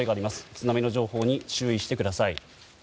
津波の情報に注意してください。